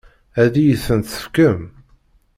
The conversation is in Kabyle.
Ad iyi-tent-tefkem?